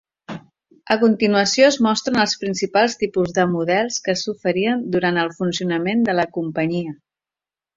A continuació es mostren els principals tipus de models que s'oferien durant el funcionament de la companyia.